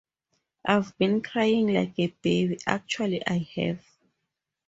I’ve been crying like a baby, actually I have.